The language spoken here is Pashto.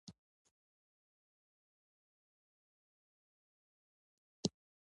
د جهالت پر وړاندې د روښانتیا په توګه درېدل.